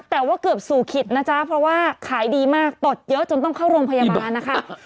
แต่ว่าเกือบสู่ขิตนะจ๊ะเพราะว่าขายดีมากตดเยอะจนต้องเข้าโรงพยาบาลนะคะ